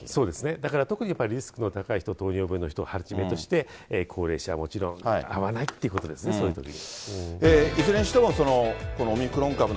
だから特にリスクの高い人、糖尿病の人、はじめとして、高齢者はもちろん会わないということですね、そういうときに。